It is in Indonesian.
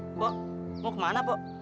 mbak mau kemana mbak